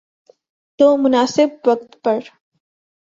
تو مناسب وقت پر۔